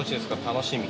楽しみ？